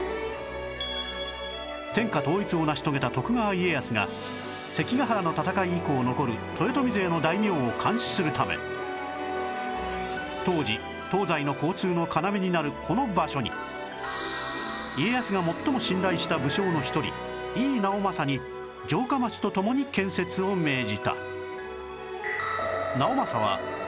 天下統一を成し遂げた徳川家康が関ヶ原の戦い以降残る当時東西の交通の要になるこの場所に家康が最も信頼した武将の一人井伊直政に城下町と共に建設を命じた